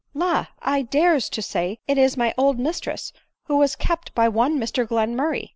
La ! I dares to say it is my old mistress, who was kept by one Mr Glenmurray!"